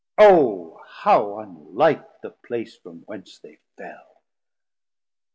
O how unlike the place from whence they fell!